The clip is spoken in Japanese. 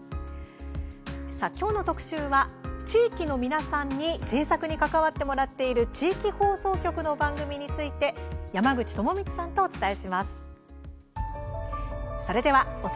今日の特集は、地域の皆さんに制作に関わってもらっている地域放送局の番組について山口智充さんとお伝えします。